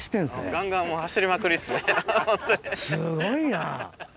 すごいな。